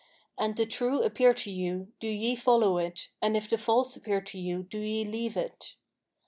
An the True appear to you, do ye follow it, and if the False appear to you do ye leave it.'